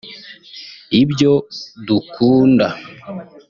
ibyo dukunda